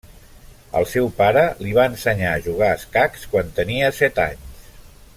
El seu pare li va ensenyar a jugar a escacs quan tenia set anys.